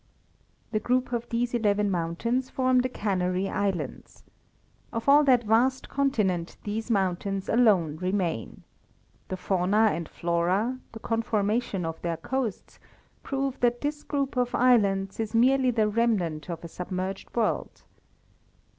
The group of these eleven mountains form the Canary Islands. Of all that vast continent, these mountains alone remain. Their fauna and flora, the conformation of their coasts, prove that this group of islands is merely the remnant of a submerged world.